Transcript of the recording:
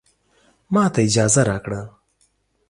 ماته اجازه راکړه